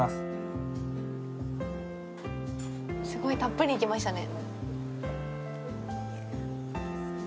すごい、たっぷりいきましたね。